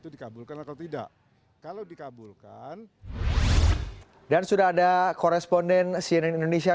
dan sudah ada koresponden cnn indonesia